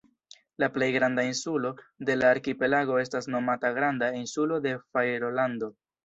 La plej granda insulo de la arkipelago estas nomata Granda Insulo de Fajrolando.